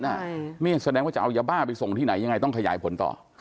นี่แสดงว่าจะเอายาบ้าไปส่งที่ไหนยังไงต้องขยายผลต่อ